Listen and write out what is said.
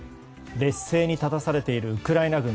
劣勢に立たされているウクライナ軍。